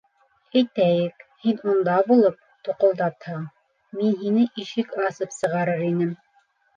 Әйтәйек, һин унда булып, туҡылдатһаң, мин һине ишек асып сығарыр инем.